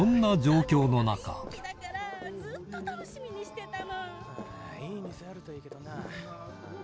いい店あるといいけどな。